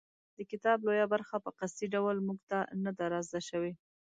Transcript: د کتاب لویه برخه په قصدي ډول موږ ته نه ده رازده شوې.